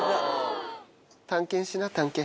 探検しな探検。